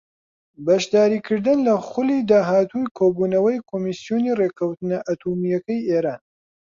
بەشداریکردن لە خولی داهاتووی کۆبوونەوەی کۆمسیۆنی ڕێککەوتنە ئەتۆمییەکەی ئێران